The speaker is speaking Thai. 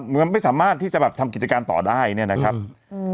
เหมือนไม่สามารถที่จะแบบทำกิจการต่อได้เนี่ยนะครับอืม